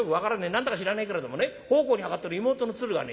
何だか知らねえけれどもね奉公に上がってる妹の鶴がね